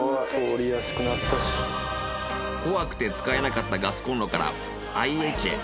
怖くて使えなかったガスコンロからＩＨへ。